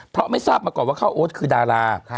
เพราะไม่ทราบมาก่อนว่าข้าวโอ๊ตคือดารา